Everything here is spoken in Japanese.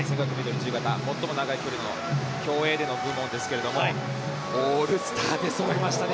ｍ自由形最も長い距離の競泳での部門ですがオールスターでそろいましたね。